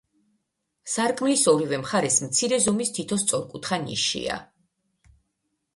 სარკმლის ორივე მხარეს მცირე ზომის თითო სწორკუთხა ნიშია.